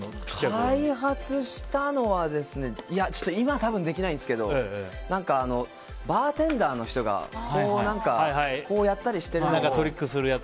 開発したのは今は多分できないんですけどバーテンダーの人がこうやったりするやつ。